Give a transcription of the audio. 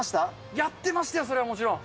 やってましたよ、それはもちろん。